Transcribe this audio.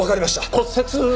骨折。